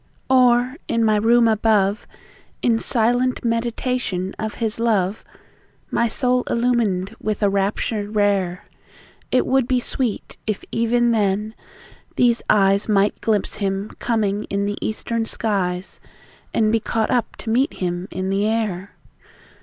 Or, in my room above, In silent meditation of His love, My soul illumined with a rapture rare. It would be sweet, if even then, these eyes Might glimpse Him coming in the East ern skies, And be caught up to meet Him in the air.